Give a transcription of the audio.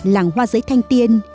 làng hoa giấy thanh tiên